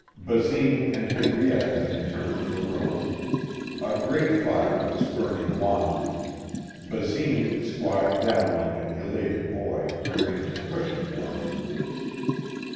Basine and Henrietta had returned to the room. A grate fire was burning wanly. Basine, squatting down like an elated boy, arranged a cushion for her.